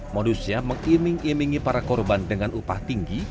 modusnya mengiming imingi para korban dengan upah tinggi